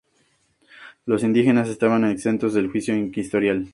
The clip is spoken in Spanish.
Los indígenas estaban exentos del juicio inquisitorial.